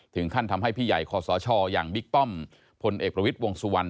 ทำให้พี่ใหญ่คอสชอย่างบิ๊กป้อมพลเอกประวิทย์วงสุวรรณ